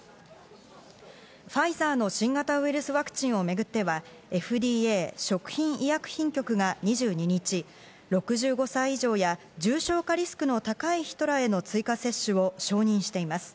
ファイザーの新型ウイルスワクチンをめぐっては、ＦＤＡ＝食品医薬品局が２２日、６５歳以上や重症化リスクの高い人らへの追加接種を承認しています。